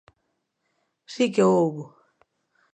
Si que o houbo.